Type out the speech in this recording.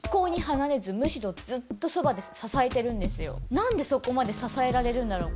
何でそこまで支えられるんだろう